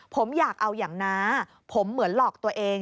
ผมอยากเอาอย่างน้าผมเหมือนหลอกตัวเอง